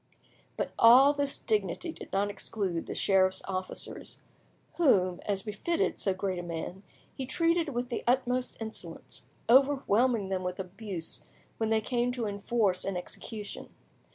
But all this dignity did not exclude the sheriff's officers, whom, as befitted so great a man, he treated with the utmost insolence, overwhelming them with abuse when they came to enforce an execution.